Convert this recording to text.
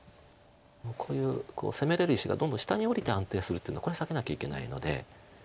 こういう攻めれる石がどんどん下に下りて安定するっていうのはこれ避けなきゃいけないので。